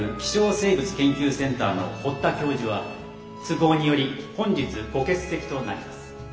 生物研究センターの堀田教授は都合により本日ご欠席となります。